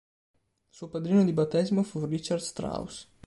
Suo padrino di battesimo fu Richard Strauss.